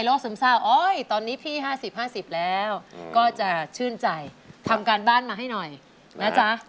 ซึมเศร้าโอ๊ยตอนนี้พี่๕๐๕๐แล้วก็จะชื่นใจทำการบ้านมาให้หน่อยนะจ๊ะ